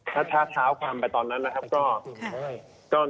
ถ้าเท้าความไปตอนนั้นนะครับก็